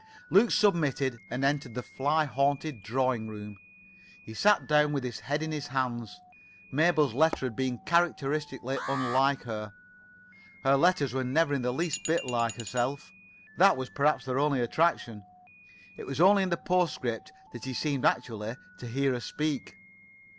Luke submitted and entered the fly haunted drawing room. He sat down with his head in his hands. Mabel's letter had been characteristically unlike her. Her letters were never in the least bit like herself. That was perhaps their only attraction. It was only in the [Pg 84]postscript that he seemed actually to hear her speak.